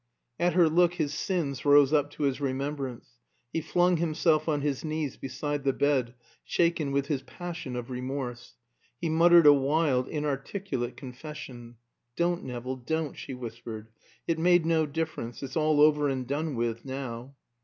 At her look his sins rose up to his remembrance. He flung himself on his knees beside the bed, shaken with his passion of remorse. He muttered a wild, inarticulate confession. "Don't, Nevill, don't," she whispered; "it made no difference. It's all over and done with now."